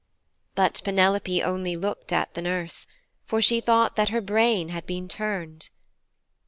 But Penelope only looked at the nurse, for she thought that her brain had been turned.